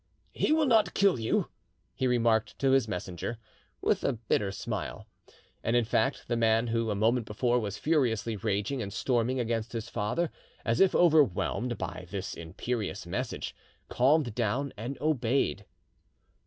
"He will not kill you," he remarked to his messenger, with a bitter smile. And, in fact, the man who a moment before was furiously raging and storming against his father, as if overwhelmed by this imperious message, calmed down, and obeyed.